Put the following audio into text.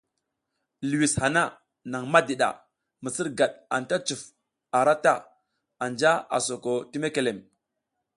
Liwis hana nang madiɗa, misirgad anta cuf ara ta, anja a soko ti mekelem.